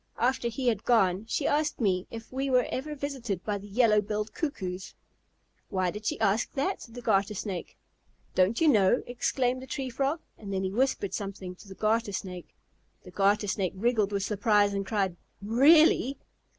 After he had gone, she asked me if we were ever visited by the Yellow Billed Cuckoos." "Why did she ask that?" said the Garter Snake. "Don't you know?" exclaimed the Tree Frog. And then he whispered something to the Garter Snake. The Garter Snake wriggled with surprise and cried, "Really?"